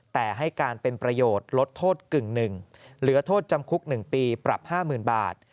แต่ให้การเป็นประโยชน์ลดโทษกึ่งหนึ่งเหลือโทษจำคุก๑ปีปรับ๕๐๐๐บาท